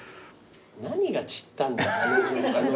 何が散ったんだよ。